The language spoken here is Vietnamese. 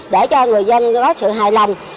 để cho người dân có sự hài lòng